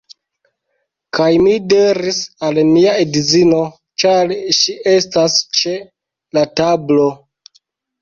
Kaj mi diris al mia edzino, ĉar ŝi estas ĉe la tablo: